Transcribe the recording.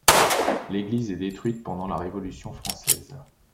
L'église est détruite pendant la Révolution française.